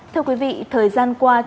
thưa quý vị thời gian qua